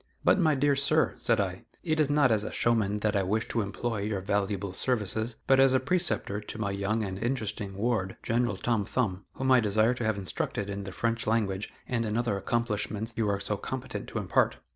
"But, my dear sir," said I, "it is not as a showman that I wish to employ your valuable services, but as a preceptor to my young and interesting ward, General Tom Thumb, whom I desire to have instructed in the French language and in other accomplishments you are so competent to impart.